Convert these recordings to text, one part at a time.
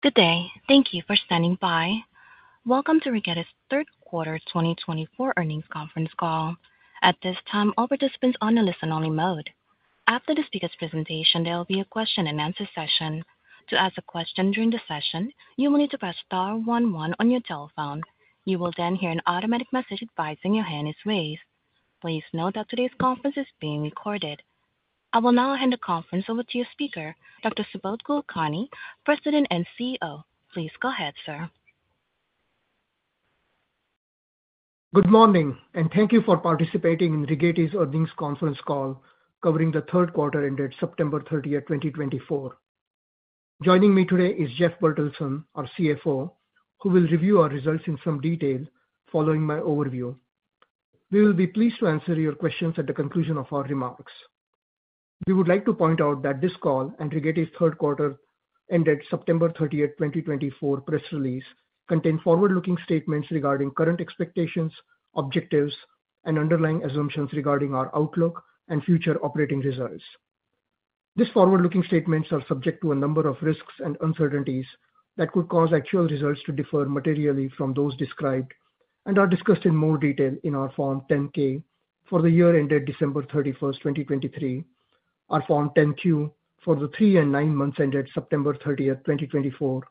Good day, thank you for standing by. Welcome to Rigetti's third quarter 2024 earnings conference call. At this time, all participants are on a listen-only mode. After the speaker's presentation, there will be a question-and-answer session. To ask a question during the session, you will need to press star one one on your telephone. You will then hear an automatic message advising your hand is raised. Please note that today's conference is being recorded. I will now hand the conference over to your speaker, Dr. Subodh Kulkarni, President and CEO. Please go ahead, sir. Good morning, and thank you for participating in Rigetti's earnings conference call covering the third quarter ended September 30, 2024. Joining me today is Jeff Bertelsen, our CFO, who will review our results in some detail following my overview. We will be pleased to answer your questions at the conclusion of our remarks. We would like to point out that this call and Rigetti's third quarter ended September 30, 2024 press release contain forward-looking statements regarding current expectations, objectives, and underlying assumptions regarding our outlook and future operating results. These forward-looking statements are subject to a number of risks and uncertainties that could cause actual results to differ materially from those described and are discussed in more detail in our Form 10-K for the year ended December 31, 2023, our Form 10-Q for the Three and Nine Months ended September 30, 2024,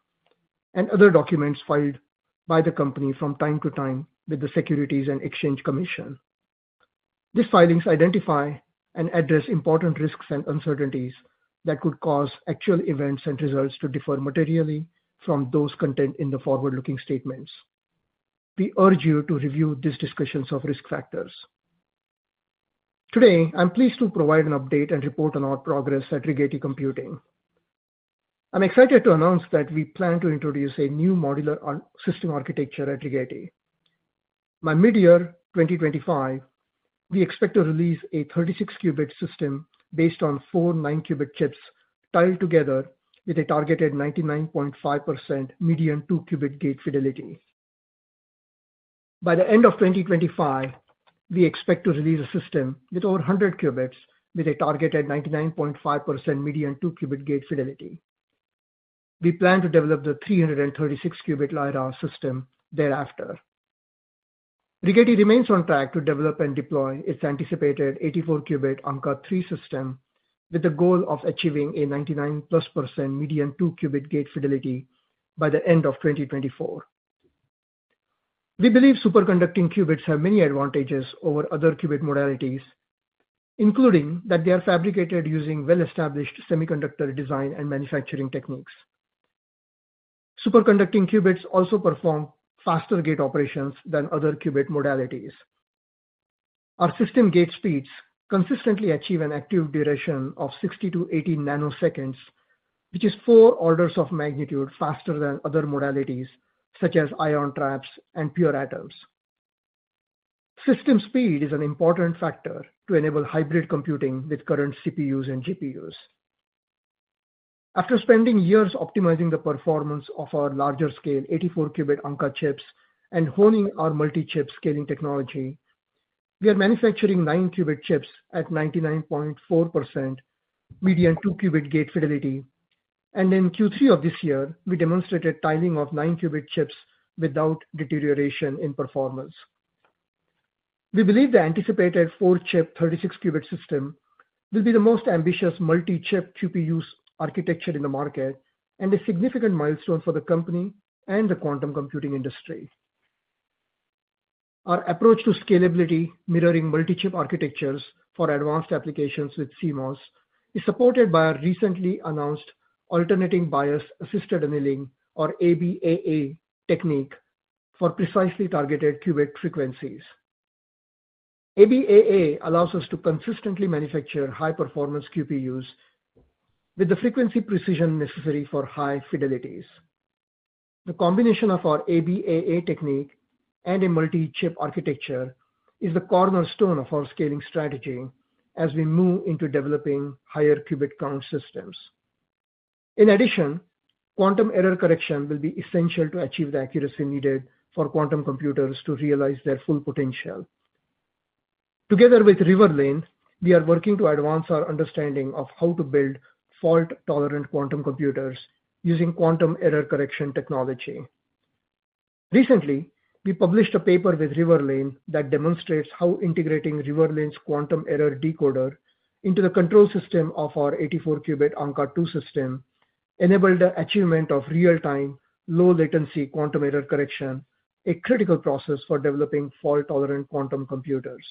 and other documents filed by the company from time to time with the Securities and Exchange Commission. These filings identify and address important risks and uncertainties that could cause actual events and results to differ materially from those contained in the forward-looking statements. We urge you to review these discussions of risk factors. Today, I'm pleased to provide an update and report on our progress at Rigetti Computing. I'm excited to announce that we plan to introduce a new modular system architecture at Rigetti. By mid-year 2025, we expect to release a 36-qubit system based on four 9-qubit chips tiled together with a targeted 99.5% median 2-qubit gate fidelity. By the end of 2025, we expect to release a system with over 100 qubits with a targeted 99.5% median 2-qubit gate fidelity. We plan to develop the 336-qubit Lyra system thereafter. Rigetti remains on track to develop and deploy its anticipated 84-qubit Ankaa-3 system with the goal of achieving a 99+% median 2-qubit gate fidelity by the end of 2024. We believe superconducting qubits have many advantages over other qubit modalities, including that they are fabricated using well-established semiconductor design and manufacturing techniques. Superconducting qubits also perform faster gate operations than other qubit modalities. Our system gate speeds consistently achieve an active duration of 60 to 80 nanoseconds, which is four orders of magnitude faster than other modalities such as ion traps and pure atoms. System speed is an important factor to enable hybrid computing with current CPUs and GPUs. After spending years optimizing the performance of our larger scale 84-qubit Ankaa chips and honing our multi-chip scaling technology, we are manufacturing 9-qubit chips at 99.4% median 2-qubit gate fidelity, and in Q3 of this year, we demonstrated tiling of 9-qubit chips without deterioration in performance. We believe the anticipated four-chip 36-qubit system will be the most ambitious multi-chip QPUs architecture in the market and a significant milestone for the company and the quantum computing industry. Our approach to scalability mirroring multi-chip architectures for advanced applications with CMOS is supported by our recently announced Alternating Bias-Assisted Annealing, or ABAA, technique for precisely targeted qubit frequencies. ABAA allows us to consistently manufacture high-performance QPUs with the frequency precision necessary for high fidelities. The combination of our ABAA technique and a multi-chip architecture is the cornerstone of our scaling strategy as we move into developing higher qubit count systems. In addition, quantum error correction will be essential to achieve the accuracy needed for quantum computers to realize their full potential. Together with Riverlane, we are working to advance our understanding of how to build fault-tolerant quantum computers using quantum error correction technology. Recently, we published a paper with Riverlane that demonstrates how integrating Riverlane's quantum error decoder into the control system of our 84-qubit Ankaa-2 system enabled the achievement of real-time low-latency quantum error correction, a critical process for developing fault-tolerant quantum computers.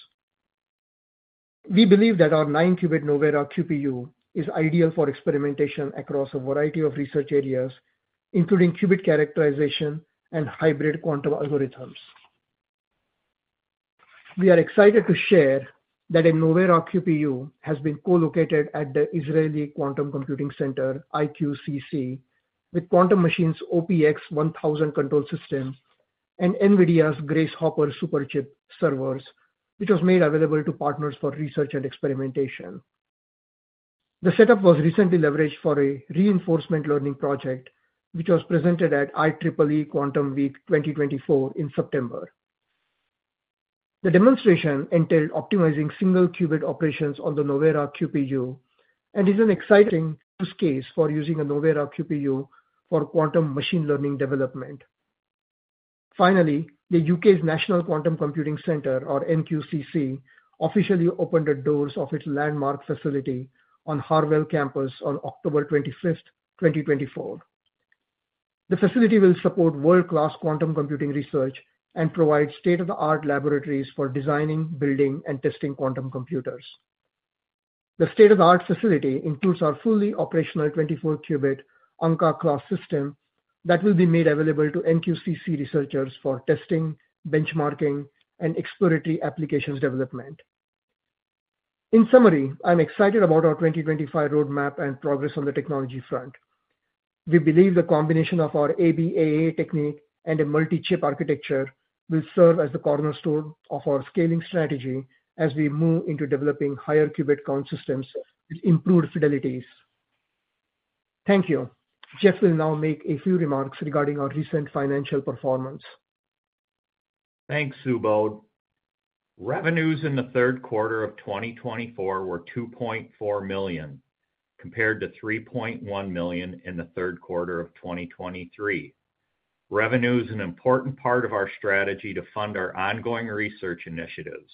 We believe that our 9-qubit Novera QPU is ideal for experimentation across a variety of research areas, including qubit characterization and hybrid quantum algorithms. We are excited to share that a Novera QPU has been co-located at the Israeli Quantum Computing Center, IQCC, with Quantum Machines OPX1000 control system and NVIDIA's Grace Hopper Superchip servers, which was made available to partners for research and experimentation. The setup was recently leveraged for a reinforcement learning project, which was presented at IEEE Quantum Week 2024 in September. The demonstration entailed optimizing single-qubit operations on the Novera QPU and is an exciting use case for using a Novera QPU for quantum machine learning development. Finally, the UK's National Quantum Computing Center, or NQCC, officially opened the doors of its landmark facility on Harwell Campus on October 25, 2024. The facility will support world-class quantum computing research and provide state-of-the-art laboratories for designing, building, and testing quantum computers. The state-of-the-art facility includes our fully operational 24-qubit Ankaa class system that will be made available to NQCC researchers for testing, benchmarking, and exploratory applications development. In summary, I'm excited about our 2025 roadmap and progress on the technology front. We believe the combination of our ABAA technique and a multi-chip architecture will serve as the cornerstone of our scaling strategy as we move into developing higher qubit count systems with improved fidelities. Thank you. Jeff will now make a few remarks regarding our recent financial performance. Thanks, Subodh. Revenues in the third quarter of 2024 were $2.4 million, compared to $3.1 million in the third quarter of 2023. Revenue is an important part of our strategy to fund our ongoing research initiatives.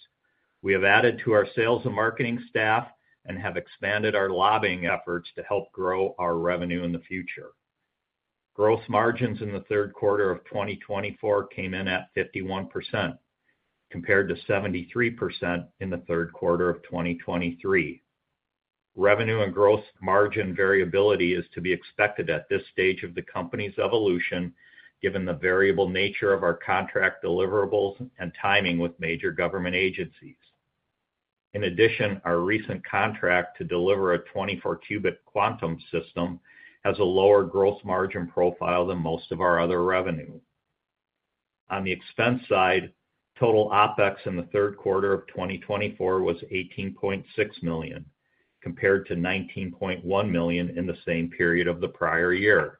We have added to our sales and marketing staff and have expanded our lobbying efforts to help grow our revenue in the future. Gross margins in the third quarter of 2024 came in at 51%, compared to 73% in the third quarter of 2023. Revenue and gross margin variability is to be expected at this stage of the company's evolution, given the variable nature of our contract deliverables and timing with major government agencies. In addition, our recent contract to deliver a 24-qubit quantum system has a lower gross margin profile than most of our other revenue. On the expense side, total OpEx in the third quarter of 2024 was $18.6 million, compared to $19.1 million in the same period of the prior year.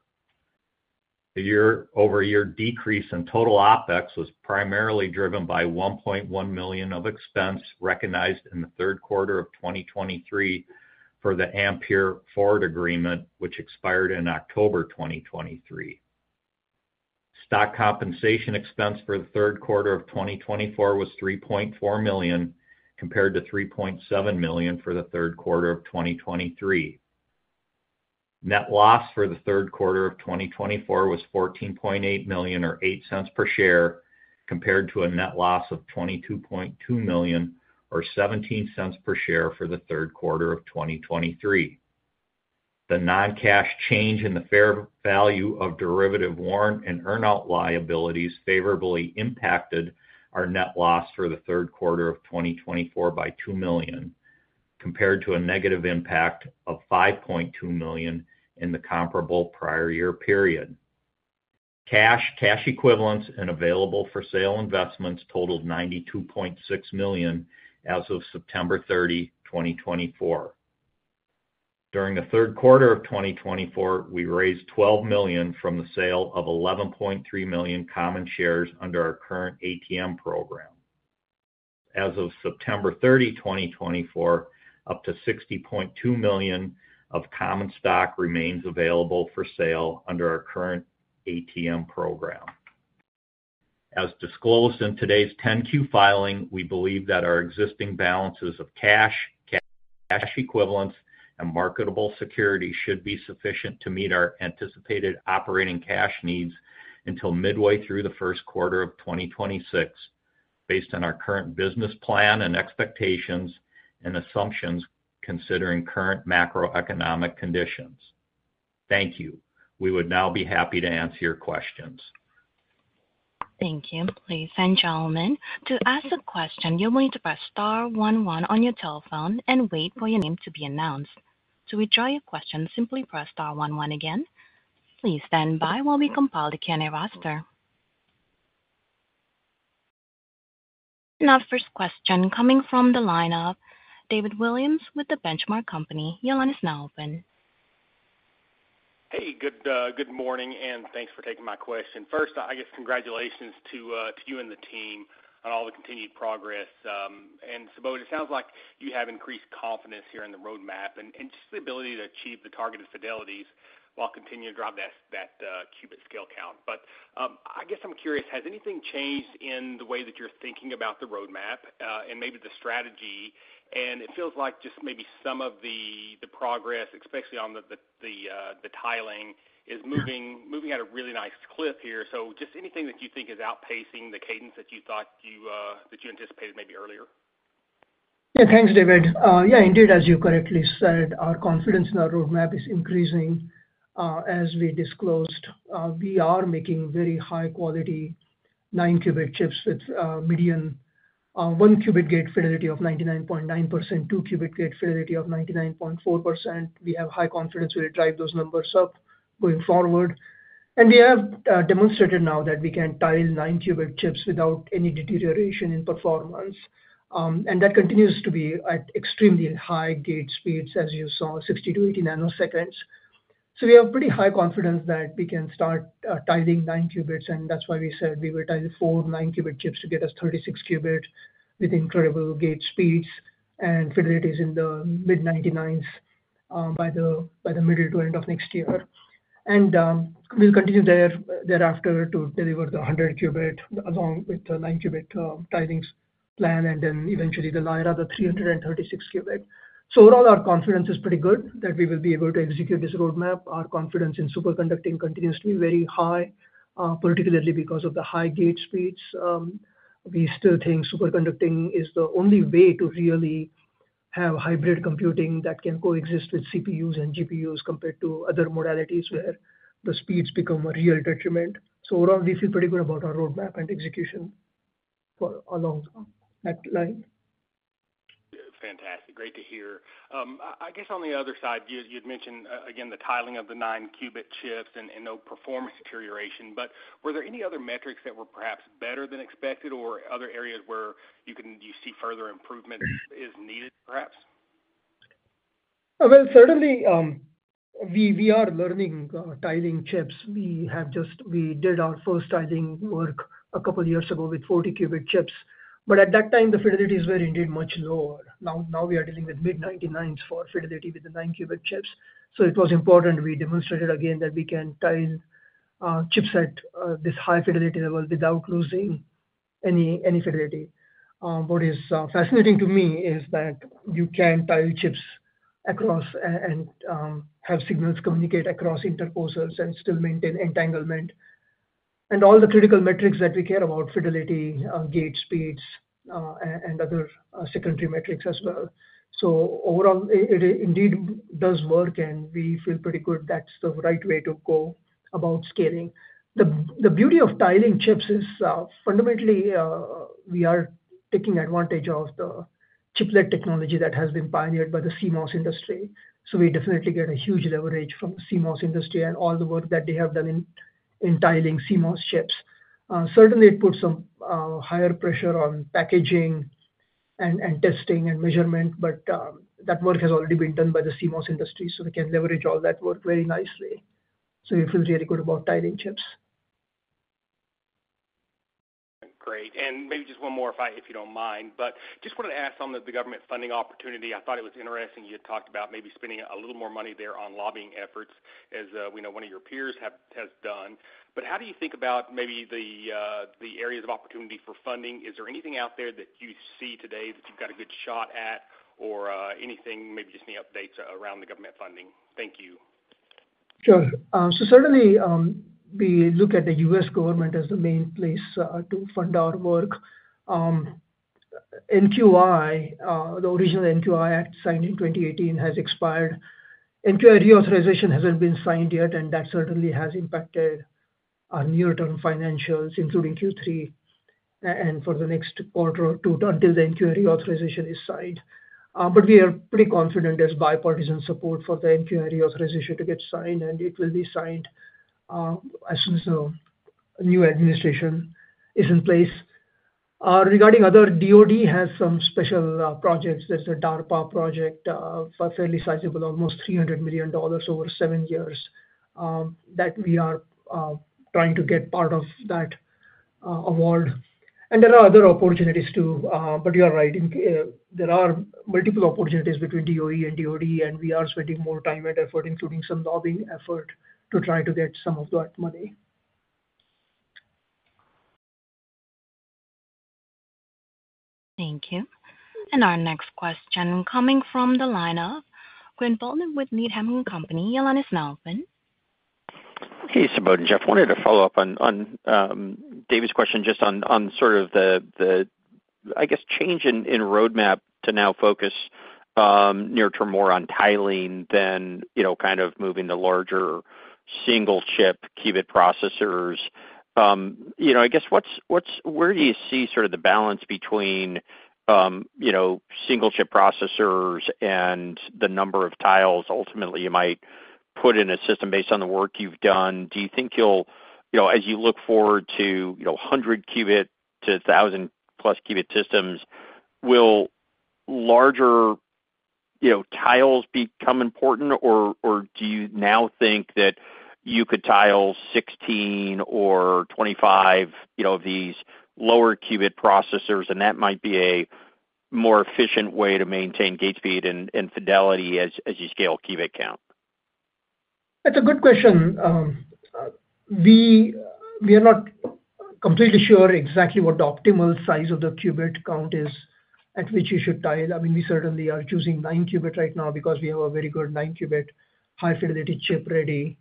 The year-over-year decrease in total OpEx was primarily driven by $1.1 million of expense recognized in the third quarter of 2023 for the Ampere Ford Agreement, which expired in October 2023. Stock compensation expense for the third quarter of 2024 was $3.4 million, compared to $3.7 million for the third quarter of 2023. Net loss for the third quarter of 2024 was $14.8 million, or $0.08 per share, compared to a net loss of $22.2 million, or $0.17 per share for the third quarter of 2023. The non-cash change in the fair value of derivative warrant and earn-out liabilities favorably impacted our net loss for the third quarter of 2024 by $2 million, compared to a negative impact of $5.2 million in the comparable prior year period. Cash, cash equivalents, and available-for-sale investments totaled $92.6 million as of September 30, 2024. During the third quarter of 2024, we raised $12 million from the sale of $11.3 million common shares under our current ATM program. As of September 30, 2024, up to $60.2 million of common stock remains available for sale under our current ATM program. As disclosed in today's 10-Q filing, we believe that our existing balances of cash, cash equivalents, and marketable securities should be sufficient to meet our anticipated operating cash needs until midway through the first quarter of 2026, based on our current business plan and expectations and assumptions considering current macroeconomic conditions. Thank you. We would now be happy to answer your questions. Thank you. Please, gentlemen, to ask a question, you'll need to press star one one on your telephone and wait for your name to be announced. To withdraw your question, simply press star one one again. Please stand by while we compile the Q&A roster. Now, first question coming from the line of David Williams with The Benchmark Company. The line is now open. Hey, good morning, and thanks for taking my question. First, I guess congratulations to you and the team on all the continued progress. And Subodh, it sounds like you have increased confidence here in the roadmap and just the ability to achieve the targeted fidelities while continuing to drive that qubit scale count. But I guess I'm curious, has anything changed in the way that you're thinking about the roadmap and maybe the strategy? And it feels like just maybe some of the progress, especially on the tiling, is moving at a really nice clip here. So just anything that you think is outpacing the cadence that you thought you anticipated maybe earlier? Yeah, thanks, David. Yeah, indeed, as you correctly said, our confidence in our roadmap is increasing. As we disclosed, we are making very high-quality 9-qubit chips with median 1-qubit gate fidelity of 99.9%, 2-qubit gate fidelity of 99.4%. We have high confidence we'll drive those numbers up going forward. And we have demonstrated now that we can tile 9-qubit chips without any deterioration in performance. And that continues to be at extremely high gate speeds, as you saw, 60 to 80 nanoseconds. So we have pretty high confidence that we can start tiling 9 qubits. And that's why we said we will tile four 9-qubit chips to get us 36-qubit with incredible gate speeds and fidelities in the mid-99s by the middle to end of next year. We'll continue thereafter to deliver the 100-qubit along with the 9-qubit tiling plan, and then eventually the Lyra, the 336-qubit. Overall, our confidence is pretty good that we will be able to execute this roadmap. Our confidence in superconducting continues to be very high, particularly because of the high gate speeds. We still think superconducting is the only way to really have hybrid computing that can coexist with CPUs and GPUs compared to other modalities where the speeds become a real detriment. Overall, we feel pretty good about our roadmap and execution for a long time. Fantastic. Great to hear. I guess on the other side, you had mentioned, again, the tiling of the 9-qubit chips and no performance deterioration. But were there any other metrics that were perhaps better than expected, or other areas where you see further improvement is needed, perhaps? Certainly, we are learning tiling chips. We did our first tiling work a couple of years ago with 40-qubit chips. But at that time, the fidelities were indeed much lower. Now we are dealing with mid-99% for fidelity with the nine-qubit chips. So it was important we demonstrated again that we can tile chips at this high fidelity level without losing any fidelity. What is fascinating to me is that you can tile chips across and have signals communicate across interposers and still maintain entanglement. And all the critical metrics that we care about, fidelity, gate speeds, and other secondary metrics as well. So overall, it indeed does work, and we feel pretty good that's the right way to go about scaling. The beauty of tiling chips is fundamentally we are taking advantage of the chiplet technology that has been pioneered by the CMOS industry. So we definitely get a huge leverage from the CMOS industry and all the work that they have done in tiling CMOS chips. Certainly, it puts some higher pressure on packaging and testing and measurement, but that work has already been done by the CMOS industry, so we can leverage all that work very nicely. So we feel really good about tiling chips. Great. And maybe just one more, if you don't mind. But just wanted to ask on the government funding opportunity. I thought it was interesting you had talked about maybe spending a little more money there on lobbying efforts, as we know one of your peers has done. But how do you think about maybe the areas of opportunity for funding? Is there anything out there that you see today that you've got a good shot at, or anything, maybe just any updates around the government funding? Thank you. Sure. So certainly, we look at the U.S. government as the main place to fund our work. NQI, the original NQI Act signed in 2018, has expired. NQI reauthorization hasn't been signed yet, and that certainly has impacted our near-term financials, including Q3 and for the next quarter or two until the NQI reauthorization is signed. But we are pretty confident there's bipartisan support for the NQI reauthorization to get signed, and it will be signed as soon as the new administration is in place. Regarding other DOD, has some special projects. There's a DARPA project for a fairly sizable, almost $300 million over seven years that we are trying to get part of that award. And there are other opportunities too, but you are right. There are multiple opportunities between DOE and DOD, and we are spending more time and effort, including some lobbying effort, to try to get some of that money. Thank you. And our next question coming from the line of Quinn Bolton with Needham & Company, the line is now open. Hey, Subodh and Jeff. I wanted to follow up on David's question just on sort of the, I guess, change in roadmap to now focus near-term more on tiling than kind of moving to larger single-chip qubit processors. I guess where do you see sort of the balance between single-chip processors and the number of tiles ultimately you might put in a system based on the work you've done? Do you think you'll, as you look forward to 100 qubit to 1,000-plus qubit systems, will larger tiles become important, or do you now think that you could tile 16 or 25 of these lower-qubit processors, and that might be a more efficient way to maintain gate speed and fidelity as you scale qubit count? That's a good question. We are not completely sure exactly what the optimal size of the qubit count is at which you should tile. I mean, we certainly are choosing 9-qubit right now because we have a very good 9-qubit high-fidelity chip ready.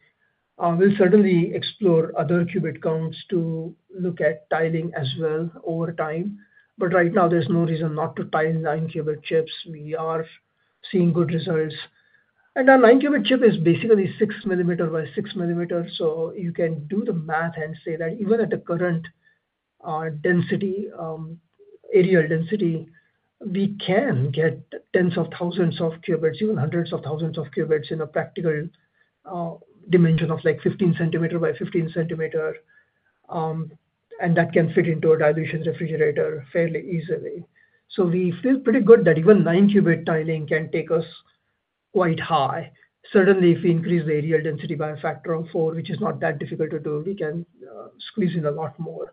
We'll certainly explore other qubit counts to look at tiling as well over time. But right now, there's no reason not to tile 9-qubit chips. We are seeing good results. And our 9-qubit chip is basically 6 millimeters by 6 millimeters. So you can do the math and say that even at the current density, areal density, we can get tens of thousands of qubits, even hundreds of thousands of qubits in a practical dimension of like 15 centimeters by 15 centimeters. And that can fit into a dilution refrigerator fairly easily. So we feel pretty good that even 9-qubit tiling can take us quite high. Certainly, if we increase the areal density by a factor of four, which is not that difficult to do, we can squeeze in a lot more.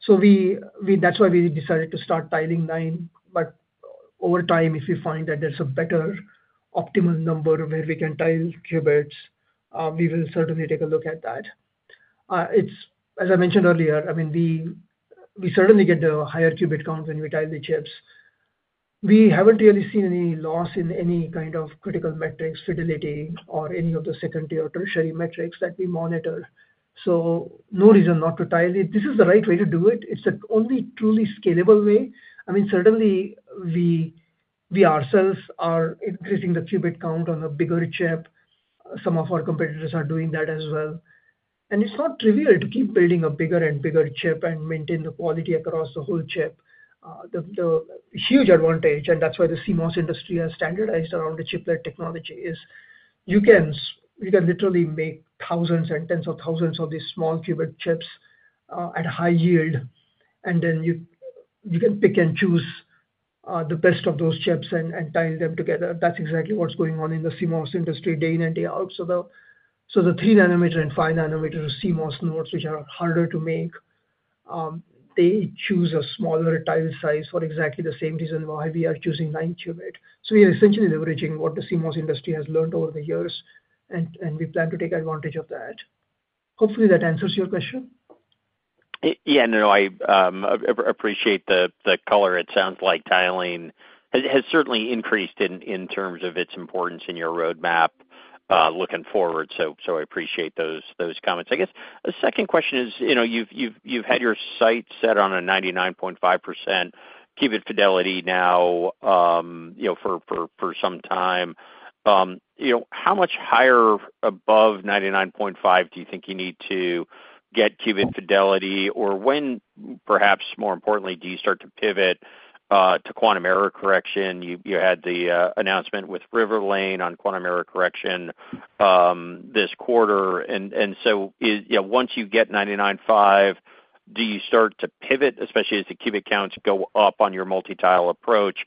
So that's why we decided to start tiling nine. But over time, if we find that there's a better optimal number where we can tile qubits, we will certainly take a look at that. As I mentioned earlier, I mean, we certainly get the higher qubit count when we tile the chips. We haven't really seen any loss in any kind of critical metrics, fidelity, or any of the secondary or tertiary metrics that we monitor. So no reason not to tile it. This is the right way to do it. It's the only truly scalable way. I mean, certainly, we ourselves are increasing the qubit count on a bigger chip. Some of our competitors are doing that as well. And it's not trivial to keep building a bigger and bigger chip and maintain the quality across the whole chip. The huge advantage, and that's why the CMOS industry has standardized around the chiplet technology, is you can literally make thousands and tens of thousands of these small qubit chips at high yield. And then you can pick and choose the best of those chips and tile them together. That's exactly what's going on in the CMOS industry day in and day out. So the 3-nanometer and 5-nanometer CMOS nodes, which are harder to make, they choose a smaller tile size for exactly the same reason why we are choosing 9-qubit. So we are essentially leveraging what the CMOS industry has learned over the years, and we plan to take advantage of that. Hopefully, that answers your question. Yeah, no, I appreciate the color. It sounds like tiling has certainly increased in terms of its importance in your roadmap looking forward. So I appreciate those comments. I guess a second question is you've had your sights set on a 99.5% qubit fidelity now for some time. How much higher above 99.5% do you think you need to get qubit fidelity, or when, perhaps more importantly, do you start to pivot to quantum error correction? You had the announcement with Riverlane on quantum error correction this quarter. And so once you get 99.5%, do you start to pivot, especially as the qubit counts go up on your multi-tile approach?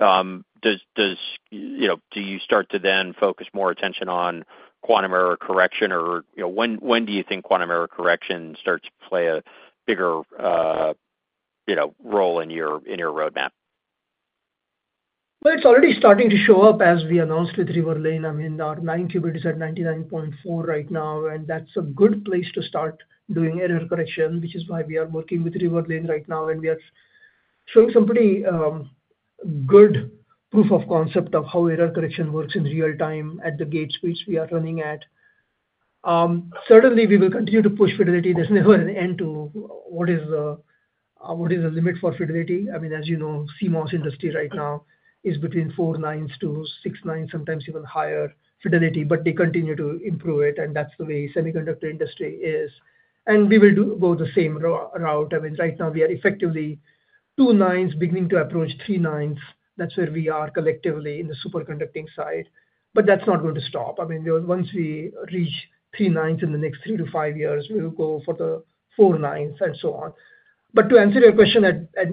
Do you start to then focus more attention on quantum error correction, or when do you think quantum error correction starts to play a bigger role in your roadmap? It's already starting to show up as we announced with Riverlane. I mean, our 9-qubit is at 99.4% right now, and that's a good place to start doing error correction, which is why we are working with Riverlane right now. We are showing some pretty good proof of concept of how error correction works in real time at the gate speeds we are running at. Certainly, we will continue to push fidelity. There's never an end to what is the limit for fidelity. I mean, as you know, CMOS industry right now is between 4 nines to 6 nines, sometimes even higher fidelity, but they continue to improve it, and that's the way semiconductor industry is. We will go the same route. I mean, right now, we are effectively 2 nines beginning to approach 3 nines. That's where we are collectively in the superconducting side. But that's not going to stop. I mean, once we reach three nines in the next three to five years, we will go for the four nines and so on. But to answer your question,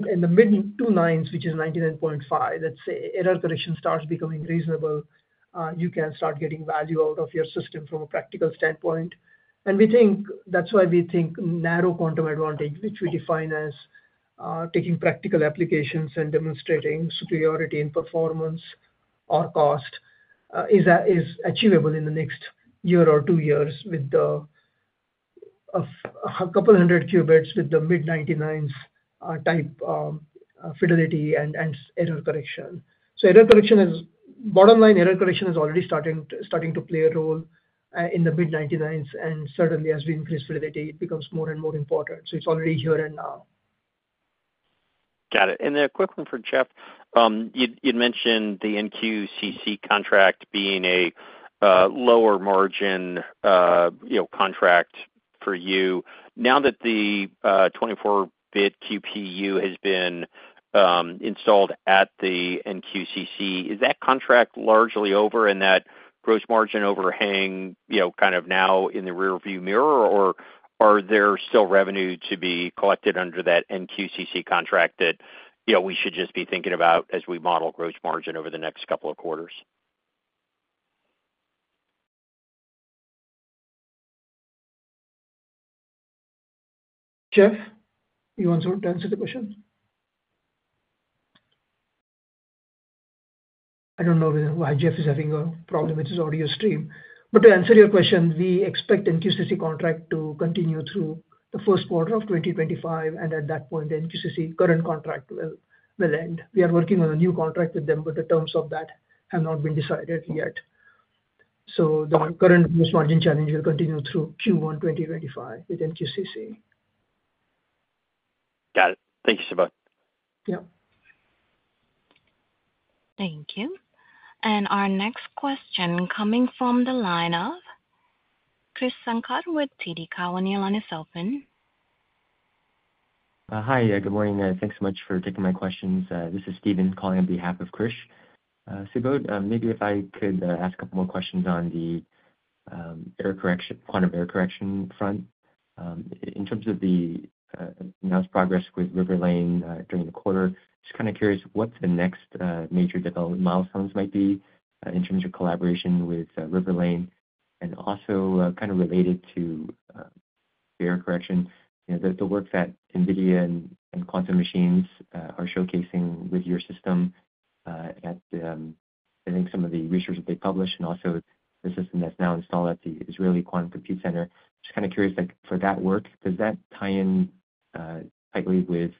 in the mid-two nines, which is 99.5, let's say, error correction starts becoming reasonable. You can start getting value out of your system from a practical standpoint. And we think that's why we think narrow quantum advantage, which we define as taking practical applications and demonstrating superiority in performance or cost, is achievable in the next year or two years with a couple hundred qubits with the mid-99s type fidelity and error correction. So error correction is bottom line. Error correction is already starting to play a role in the mid-99s, and certainly, as we increase fidelity, it becomes more and more important. So it's already here and now. Got it. And a quick one for Jeff. You'd mentioned the NQCC contract being a lower margin contract for you. Now that the 84-qubit QPU has been installed at the NQCC, is that contract largely over in that gross margin overhang kind of now in the rearview mirror, or are there still revenue to be collected under that NQCC contract that we should just be thinking about as we model gross margin over the next couple of quarters? Jeff, you want to answer the question? I don't know why Jeff is having a problem with his audio stream. But to answer your question, we expect NQCC contract to continue through the first quarter of 2025, and at that point, the NQCC current contract will end. We are working on a new contract with them, but the terms of that have not been decided yet. So the current gross margin challenge will continue through Q1 2025 with NQCC. Got it. Thank you, Subodh. Yeah. Thank you, and our next question coming from the line of Krish Sankar with TD Cowen on this open. Hi, good morning. Thanks so much for taking my questions. This is Stephen calling on behalf of Krish. Subodh, maybe if I could ask a couple more questions on the error correction, quantum error correction front. In terms of the announced progress with Riverlane during the quarter, just kind of curious what the next major development milestones might be in terms of collaboration with Riverlane. And also kind of related to error correction, the work that NVIDIA and Quantum Machines are showcasing with your system at, I think, some of the research that they published, and also the system that's now installed at the Israeli Quantum Computing Center. Just kind of curious for that work, does that tie in tightly with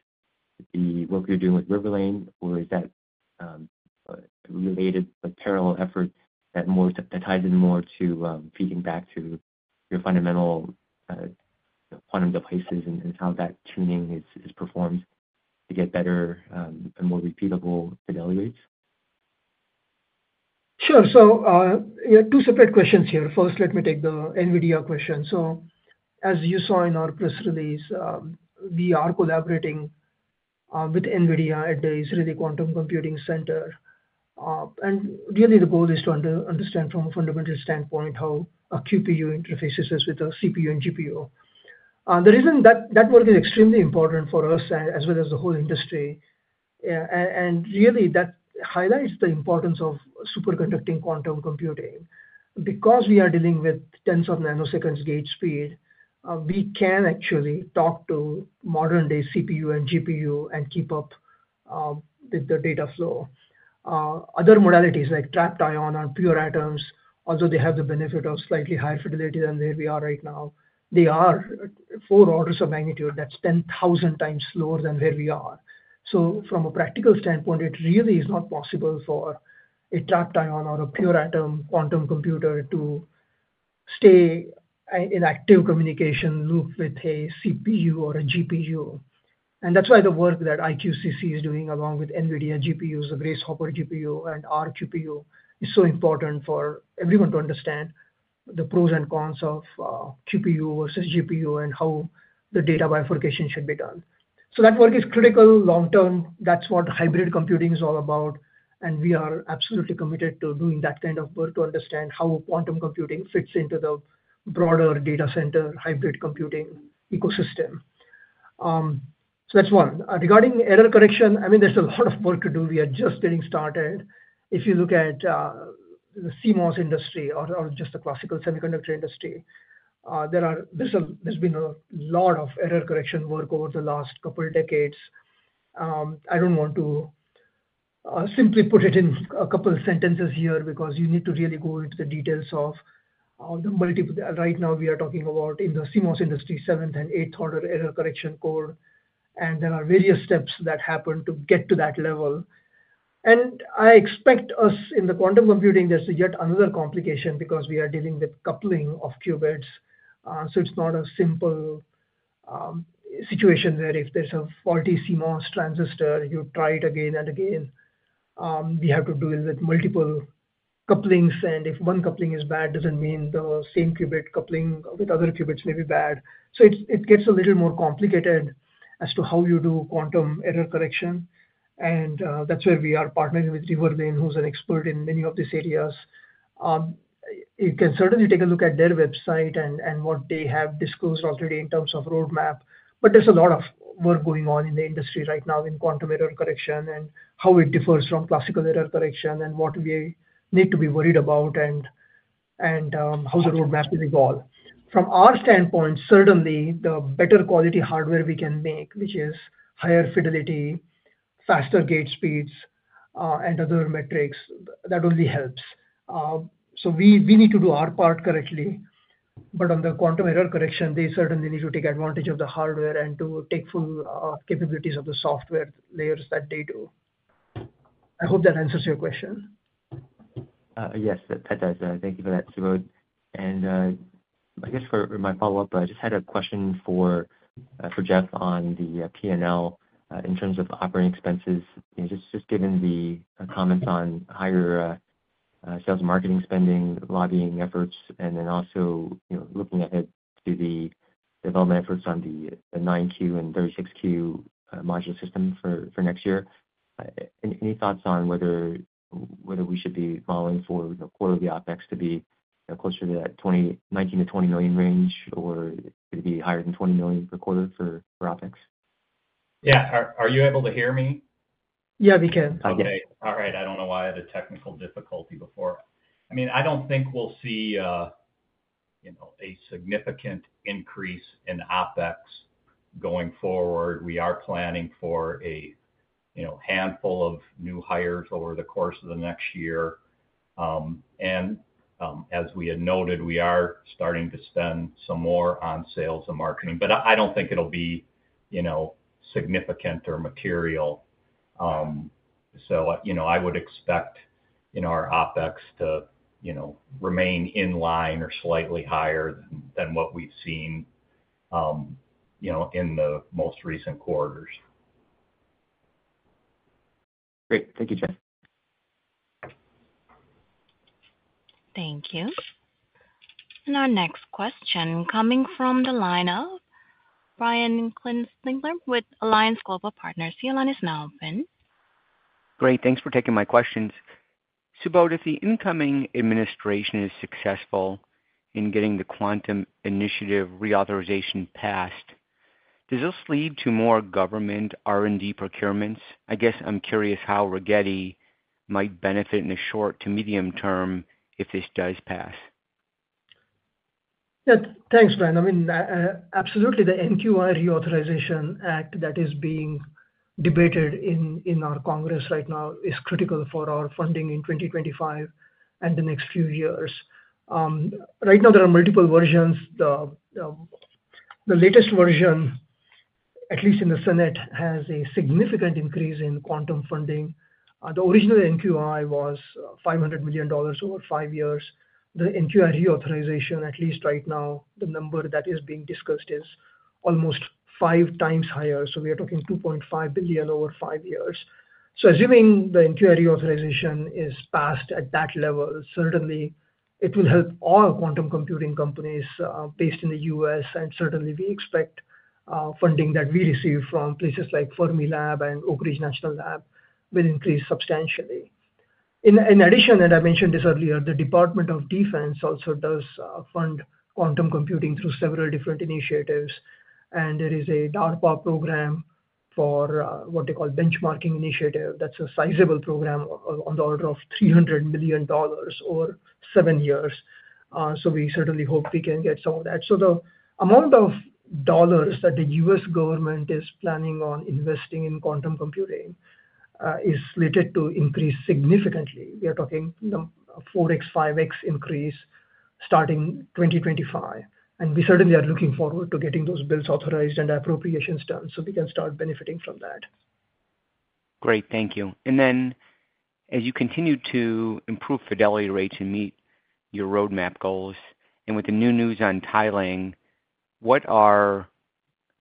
the work you're doing with Riverlane, or is that related, a parallel effort that ties in more to feeding back to your fundamental quantum devices and how that tuning is performed to get better and more repeatable fidelity rates? Sure. So two separate questions here. First, let me take the NVIDIA question. So as you saw in our press release, we are collaborating with NVIDIA at the Israeli Quantum Computing Center. And really, the goal is to understand from a fundamental standpoint how a QPU interfaces with a CPU and GPU. The reason that work is extremely important for us as well as the whole industry, and really, that highlights the importance of superconducting quantum computing. Because we are dealing with tens of nanoseconds gate speed, we can actually talk to modern-day CPU and GPU and keep up with the data flow. Other modalities like trapped ions on pure atoms, although they have the benefit of slightly higher fidelity than where we are right now, they are four orders of magnitude. That's 10,000 times slower than where we are. So from a practical standpoint, it really is not possible for a trapped ion or a pure atom quantum computer to stay in active communication loop with a CPU or a GPU. And that's why the work that IQCC is doing along with NVIDIA GPUs, the Grace Hopper GPU and RQPU, is so important for everyone to understand the pros and cons of QPU versus GPU and how the data bifurcation should be done. So that work is critical long-term. That's what hybrid computing is all about. And we are absolutely committed to doing that kind of work to understand how quantum computing fits into the broader data center hybrid computing ecosystem. So that's one. Regarding error correction, I mean, there's a lot of work to do. We are just getting started. If you look at the CMOS industry or just the classical semiconductor industry, there's been a lot of error correction work over the last couple of decades. I don't want to simply put it in a couple of sentences here because you need to really go into the details of the multiple. Right now, we are talking about in the CMOS industry, seventh and eighth order error correction code. And there are various steps that happen to get to that level. And I expect us in the quantum computing. There's yet another complication because we are dealing with coupling of qubits. So it's not a simple situation where if there's a faulty CMOS transistor, you try it again and again. We have to deal with multiple couplings. And if one coupling is bad, it doesn't mean the same qubit coupling with other qubits may be bad. So it gets a little more complicated as to how you do quantum error correction. And that's where we are partnering with Riverlane, who's an expert in many of these areas. You can certainly take a look at their website and what they have disclosed already in terms of roadmap. But there's a lot of work going on in the industry right now in quantum error correction and how it differs from classical error correction and what we need to be worried about and how the roadmap will evolve. From our standpoint, certainly, the better quality hardware we can make, which is higher fidelity, faster gate speeds, and other metrics, that only helps. So we need to do our part correctly. But on the quantum error correction, they certainly need to take advantage of the hardware and to take full capabilities of the software layers that they do. I hope that answers your question. Yes, that does. Thank you for that, Subodh. And I guess for my follow-up, I just had a question for Jeff on the P&L in terms of operating expenses. Just given the comments on higher sales and marketing spending, lobbying efforts, and then also looking ahead to the development efforts on the 9Q and 36Q modular system for next year, any thoughts on whether we should be modeling for quarterly OpEx to be closer to that $19-$20 million range, or it could be higher than $20 million per quarter for OpEx? Yeah. Are you able to hear me? Yeah, we can. Okay. All right. I don't know why the technical difficulty before. I mean, I don't think we'll see a significant increase in OpEx going forward. We are planning for a handful of new hires over the course of the next year. And as we had noted, we are starting to spend some more on sales and marketing. But I don't think it'll be significant or material. So I would expect our OpEx to remain in line or slightly higher than what we've seen in the most recent quarters. Great. Thank you, Jeff. Thank you. And our next question coming from the line of Brian Kinstlinger with Alliance Global Partners. Your line is now open. Great. Thanks for taking my questions. Subodh, if the incoming administration is successful in getting the quantum initiative reauthorization passed, does this lead to more government R&D procurements? I guess I'm curious how Rigetti might benefit in the short to medium term if this does pass. Thanks, Brian. I mean, absolutely, the NQI Reauthorization Act that is being debated in our Congress right now is critical for our funding in 2025 and the next few years. Right now, there are multiple versions. The latest version, at least in the Senate, has a significant increase in quantum funding. The original NQI was $500 million over five years. The NQI Reauthorization, at least right now, the number that is being discussed is almost five times higher. So we are talking $2.5 billion over five years. So assuming the NQI Reauthorization is passed at that level, certainly, it will help all quantum computing companies based in the U.S. And certainly, we expect funding that we receive from places like Fermilab and Oak Ridge National Laboratory will increase substantially. In addition, and I mentioned this earlier, the Department of Defense also does fund quantum computing through several different initiatives. And there is a DARPA program for what they call benchmarking initiative. That's a sizable program on the order of $300 million over seven years. So we certainly hope we can get some of that. So the amount of dollars that the U.S. government is planning on investing in quantum computing is slated to increase significantly. We are talking a 4x, 5x increase starting 2025. And we certainly are looking forward to getting those bills authorized and appropriations done so we can start benefiting from that. Great. Thank you. And then as you continue to improve fidelity rates and meet your roadmap goals, and with the new news on tiling, what are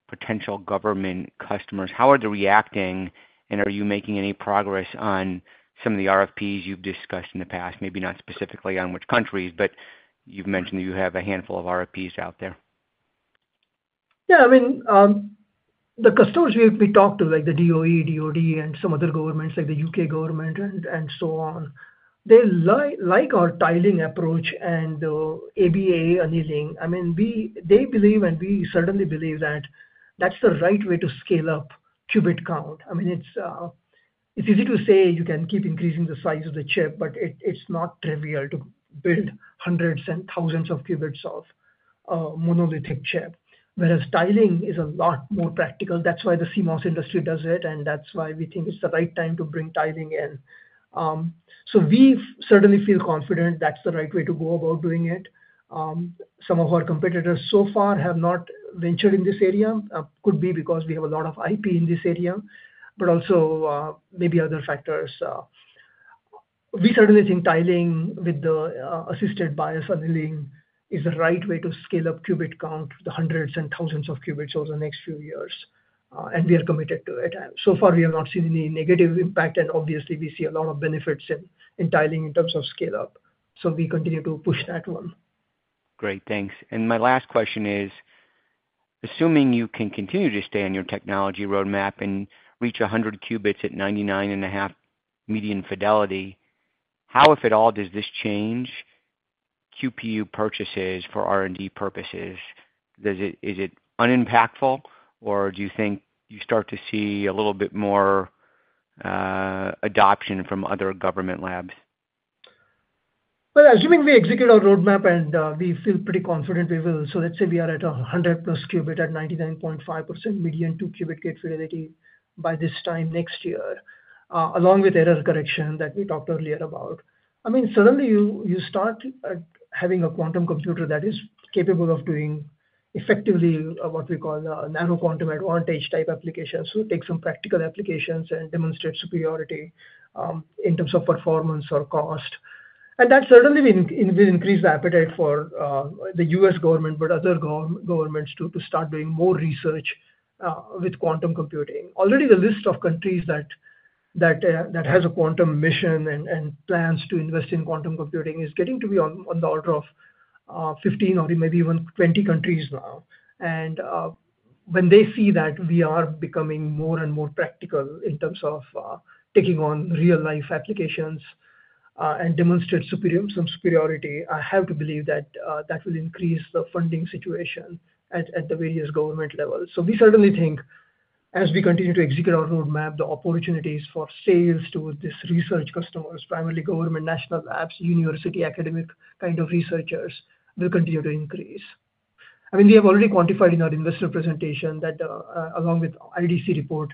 potential government customers? How are they reacting? And are you making any progress on some of the RFPs you've discussed in the past? Maybe not specifically on which countries, but you've mentioned that you have a handful of RFPs out there. Yeah. I mean, the customers we talk to, like the DOE, DOD, and some other governments, like the UK government and so on, they like our chiplet approach and the ABA annealing. I mean, they believe, and we certainly believe that that's the right way to scale up qubit count. I mean, it's easy to say you can keep increasing the size of the chip, but it's not trivial to build hundreds and thousands of qubits on a monolithic chip, whereas chiplet is a lot more practical. That's why the CMOS industry does it, and that's why we think it's the right time to bring chiplet in. So we certainly feel confident that's the right way to go about doing it. Some of our competitors so far have not ventured in this area. Could be because we have a lot of IP in this area, but also maybe other factors. We certainly think tiling with the alternating bias-assisted annealing is the right way to scale up qubit count, the hundreds and thousands of qubits over the next few years. And we are committed to it. So far, we have not seen any negative impact, and obviously, we see a lot of benefits in tiling in terms of scale-up. So we continue to push that one. Great. Thanks. And my last question is, assuming you can continue to stay on your technology roadmap and reach 100 qubits at 99.5 median fidelity, how, if at all, does this change QPU purchases for R&D purposes? Is it unimpactful, or do you think you start to see a little bit more adoption from other government labs? Assuming we execute our roadmap and we feel pretty confident we will, so let's say we are at 100-plus qubits at 99.5% median two-qubit gate fidelity by this time next year, along with error correction that we talked earlier about. I mean, suddenly, you start having a quantum computer that is capable of doing effectively what we call a narrow quantum advantage type application. So it takes some practical applications and demonstrates superiority in terms of performance or cost. And that certainly will increase the appetite for the U.S. government, but other governments to start doing more research with quantum computing. Already, the list of countries that has a quantum mission and plans to invest in quantum computing is getting to be on the order of 15 or maybe even 20 countries now. When they see that we are becoming more and more practical in terms of taking on real-life applications and demonstrate some superiority, I have to believe that that will increase the funding situation at the various government levels. So we certainly think, as we continue to execute our roadmap, the opportunities for sales to these research customers, primarily government, national labs, university, academic kind of researchers, will continue to increase. I mean, we have already quantified in our investor presentation that along with IDC report,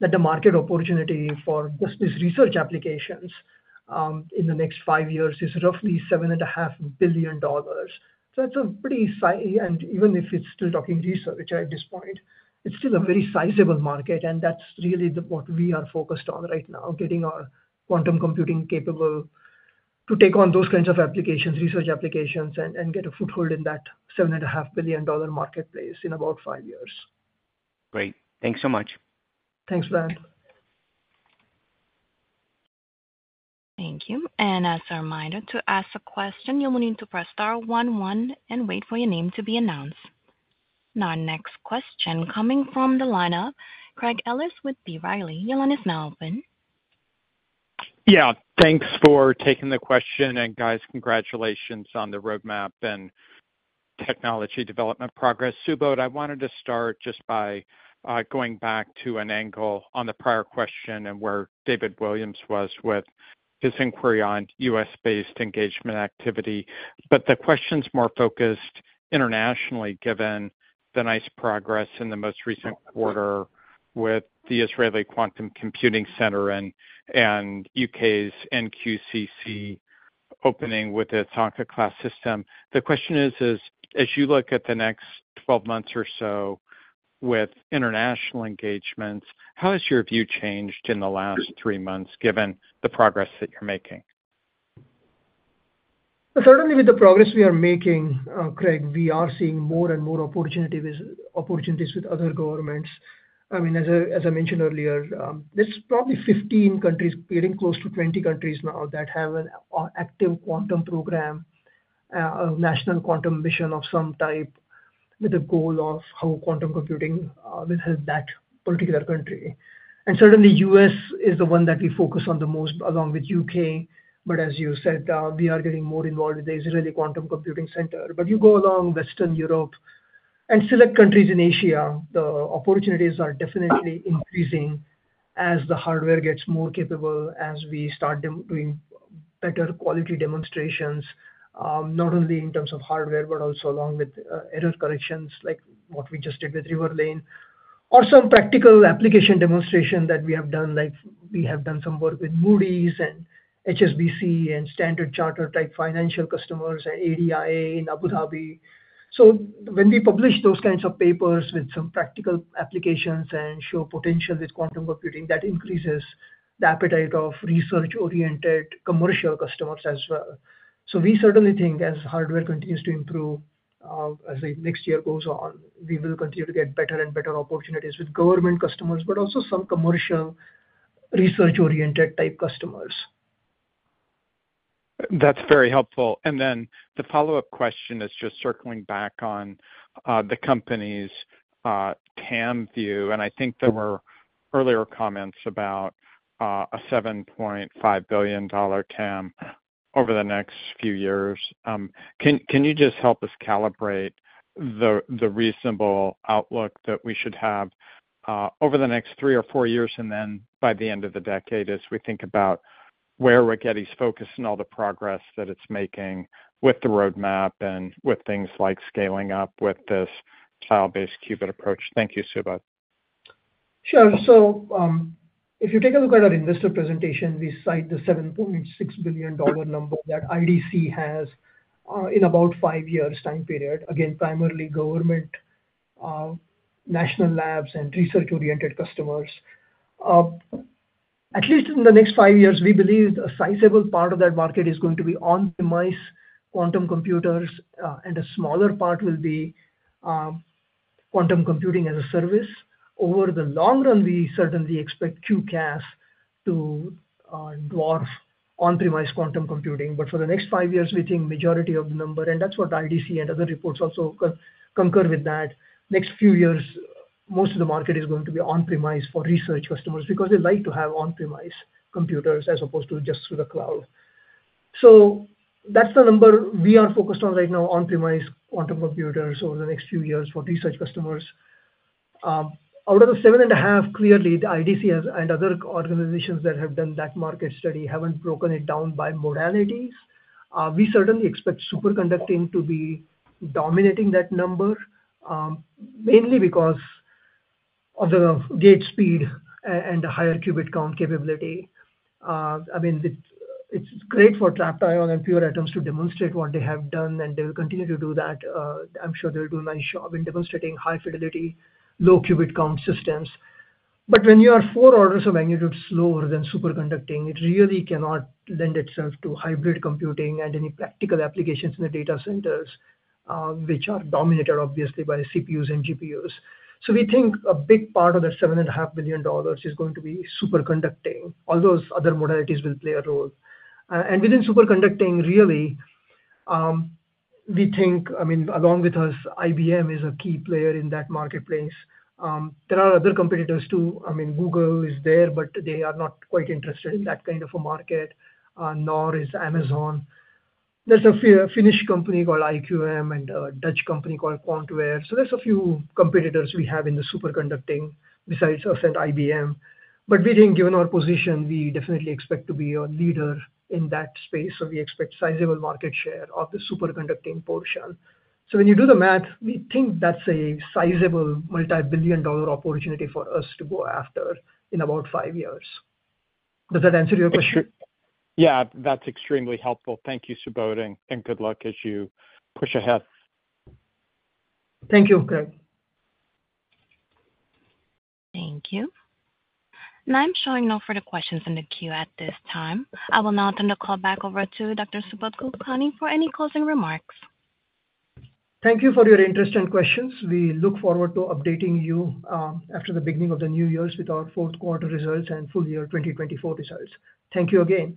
that the market opportunity for just these research applications in the next five years is roughly $7.5 billion. So that's a pretty size, and even if it's still talking research at this point, it's still a very sizable market. That's really what we are focused on right now, getting our quantum computing capable to take on those kinds of applications, research applications, and get a foothold in that $7.5 billion marketplace in about five years. Great. Thanks so much. Thanks, Brian. Thank you. And as a reminder to ask a question, you'll need to press star 11 and wait for your name to be announced. Now, our next question coming from the line of Craig Ellis with B. Riley. Your line is now open. Yeah. Thanks for taking the question. And guys, congratulations on the roadmap and technology development progress. Subodh, I wanted to start just by going back to an angle on the prior question and where David Williams was with his inquiry on U.S.-based engagement activity. But the question's more focused internationally, given the nice progress in the most recent quarter with the Israeli Quantum Computing Center and U.K.'s NQCC opening with its Ankaa class system. The question is, as you look at the next 12 months or so with international engagements, how has your view changed in the last three months, given the progress that you're making? Certainly, with the progress we are making, Craig, we are seeing more and more opportunities with other governments. I mean, as I mentioned earlier, there's probably 15 countries, getting close to 20 countries now that have an active quantum program, a national quantum mission of some type with a goal of how quantum computing will help that particular country. And certainly, the U.S. is the one that we focus on the most, along with the U.K. But as you said, we are getting more involved with the Israeli Quantum Computing Center. But you go along Western Europe and select countries in Asia, the opportunities are definitely increasing as the hardware gets more capable, as we start doing better quality demonstrations, not only in terms of hardware, but also along with error corrections, like what we just did with Riverlane, or some practical application demonstration that we have done. We have done some work with Moody's and HSBC and Standard Chartered type financial customers and ADIA in Abu Dhabi. So when we publish those kinds of papers with some practical applications and show potential with quantum computing, that increases the appetite of research-oriented commercial customers as well. So we certainly think, as hardware continues to improve, as the next year goes on, we will continue to get better and better opportunities with government customers, but also some commercial research-oriented type customers. That's very helpful. And then the follow-up question is just circling back on the company's TAM view. And I think there were earlier comments about a $7.5 billion TAM over the next few years. Can you just help us calibrate the reasonable outlook that we should have over the next three or four years and then by the end of the decade as we think about where Rigetti's focus and all the progress that it's making with the roadmap and with things like scaling up with this cloud-based qubit approach? Thank you, Subodh. Sure. So if you take a look at our investor presentation, we cite the $7.6 billion number that IDC has in about five years' time period, again, primarily government, national labs, and research-oriented customers. At least in the next five years, we believe a sizable part of that market is going to be on-premise quantum computers, and a smaller part will be quantum computing as a service. Over the long run, we certainly expect QCaa to dwarf on-premise quantum computing. But for the next five years, we think majority of the number, and that's what IDC and other reports also concur with that. Next few years, most of the market is going to be on-premise for research customers because they like to have on-premise computers as opposed to just through the cloud. So that's the number we are focused on right now, on-premise quantum computers over the next few years for research customers. Out of the seven and a half, clearly, the IDC and other organizations that have done that market study haven't broken it down by modalities. We certainly expect superconducting to be dominating that number, mainly because of the gate speed and the higher qubit count capability. I mean, it's great for trapped ions and pure atoms to demonstrate what they have done, and they will continue to do that. I'm sure they'll do a nice job in demonstrating high fidelity, low qubit count systems. But when you are four orders of magnitude slower than superconducting, it really cannot lend itself to hybrid computing and any practical applications in the data centers, which are dominated, obviously, by CPUs and GPUs. So we think a big part of that $7.5 billion is going to be superconducting. All those other modalities will play a role. And within superconducting, really, we think, I mean, along with us, IBM is a key player in that marketplace. There are other competitors too. I mean, Google is there, but they are not quite interested in that kind of a market. Nor is Amazon. There's a Finnish company called IQM and a Dutch company called QuantWare. So there's a few competitors we have in the superconducting besides us and IBM. But we think, given our position, we definitely expect to be a leader in that space. So we expect sizable market share of the superconducting portion. So when you do the math, we think that's a sizable multi-billion dollar opportunity for us to go after in about five years. Does that answer your question? Yeah. That's extremely helpful. Thank you, Subodh, and good luck as you push ahead. Thank you, Craig. Thank you. Now I'm showing no further questions in the queue at this time. I will now turn the call back over to Dr. Subodh Kulkarni for any closing remarks. Thank you for your interest and questions. We look forward to updating you after the beginning of the new year with our fourth quarter results and full year 2024 results. Thank you again.